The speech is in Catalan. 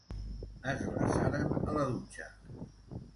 Es glaçaren a la dutxa.